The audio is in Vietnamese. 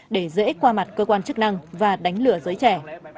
để dễ qua mặt cơ quan chức năng và đánh lửa giới trẻ